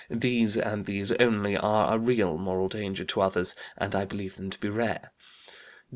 These, and these only, are a real moral danger to others, and I believe them to be rare.